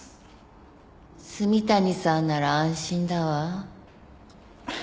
炭谷さんなら安心だわ。